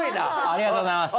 ありがとうございます。